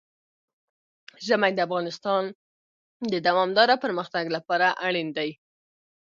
ژمی د افغانستان د دوامداره پرمختګ لپاره اړین دي.